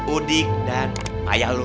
udik dan payah lu